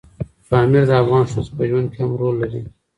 پامیر د افغان ښځو په ژوند کې هم رول لري.